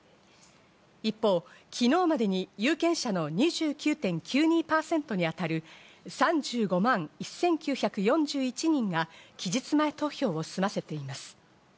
一方、昨日までに有権者の２９．９２％に当たる３５万１９４１人が期日前投票を済ませています。